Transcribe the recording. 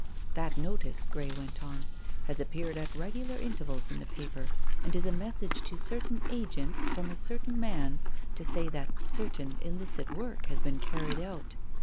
"That notice," Grey went on, "has appeared at regular intervals in the paper, and is a message to certain agents from a certain man, to say that certain illicit work has been carried out.